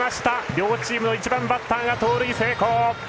両チームの１番バッターが盗塁成功。